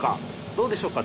どうでしょうか？